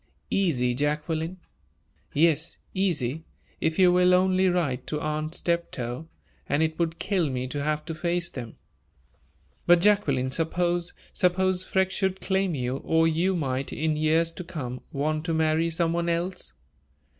"Easy, Jacqueline? " "Yes, easy, if you will only write to Aunt Steptoe; and it would kill me to have to face them!" "But, Jacqueline, suppose suppose Freke should claim you, or you might, in years to come, want to marry some one else?"